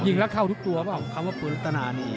ยิงแล้วเข้าทุกตัวหรือเปล่า